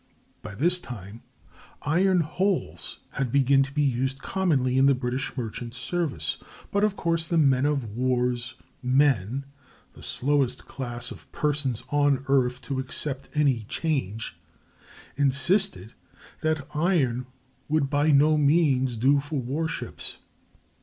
By this time iron hulls had begun to be used commonly in the British merchant service, but of course the men of war's men, the slowest class of persons on earth to accept any change, insisted that iron would by no means do for war ships.